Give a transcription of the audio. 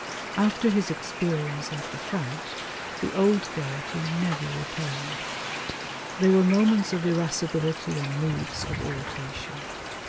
After his experience at the front the old gaiety never returned. There were moments of irascibility and moods of irritation.